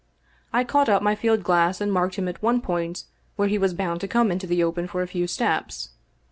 I caught up my field glass and marked him at one point where he was bound to come into the open for a few steps.